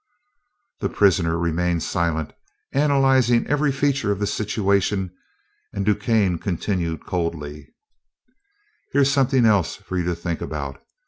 The prisoner remained silent, analyzing every feature of the situation, and DuQuesne continued, coldly: "Here's something else for you to think about.